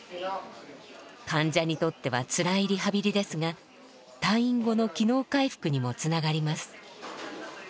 患者にとってはつらいリハビリですが退院後の機能回復にもつながります。